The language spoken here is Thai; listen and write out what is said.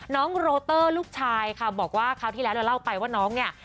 น้องโรเตอร์ลูกชายค่ะบอกว่าคราวที่แล้วเราเล่าไปว่าน้องเนี่ย